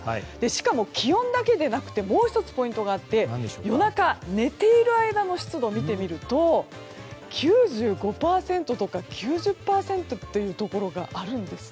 しかも気温だけではなくもう１つ、ポイントがあって夜中、寝ている間の湿度を見てみると９５％とか９０％というところがあるんです。